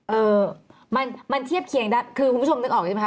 เอ่อมันมันเทียบเคียงได้คือคุณผู้ชมนึกออกใช่ไหมค